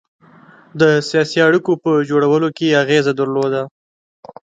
د سیاسي اړېکو په جوړولو کې اغېزه درلوده.